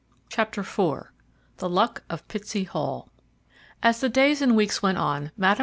Chapter IV. THE LUCK OF PITSEY HALL. AS the days and weeks went on Mme.